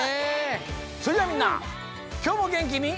それじゃあみんなきょうもげんきに。